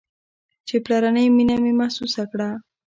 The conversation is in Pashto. چې پلرنۍ مينه مې محسوسه كړه.